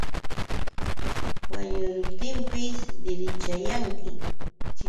Wañuruptinpis dirichayanchik.